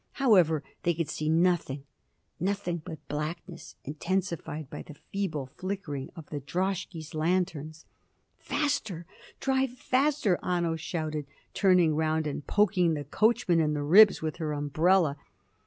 However, they could see nothing nothing but blackness, intensified by the feeble flickering of the droshky's lanterns. "Faster! drive faster!" Anno shouted, turning round and poking the coachman in the ribs with her umbrella.